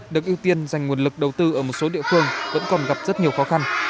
được ưu tiên dành nguồn lực đầu tư ở một số địa phương vẫn còn gặp rất nhiều khó khăn